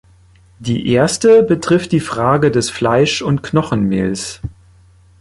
Die erste betrifft die Frage des Fleisch- und Knochenmehls.